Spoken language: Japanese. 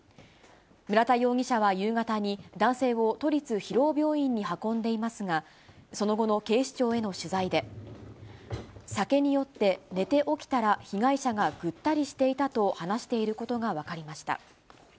村田容疑者は夕方に、男性を都立広尾病院に運んでいますが、その後の警視庁への取材で、酒によって寝て起きたら被害者がぐったりしていたと話していることが分かりました。